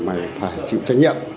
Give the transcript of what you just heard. mày phải chịu trách nhiệm